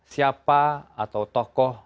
siapa atau tokoh